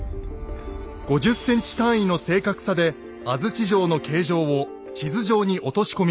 ５０ｃｍ単位の正確さで安土城の形状を地図上に落とし込みます。